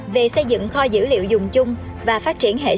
về xây dựng kho dữ liệu dùng chung và phát triển hệ sinh